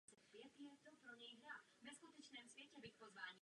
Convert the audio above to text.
Vybrané produkty a služby lze objednat online a po telefonu.